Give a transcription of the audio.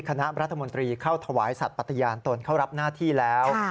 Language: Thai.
คณะรัฐมนตรีเข้าถวายสัตว์ปฏิญาณตนเข้ารับหน้าที่แล้ว